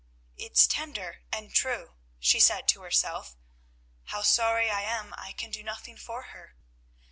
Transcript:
"It's tender and true," she said to herself. "How sorry I am, I can do nothing for her!"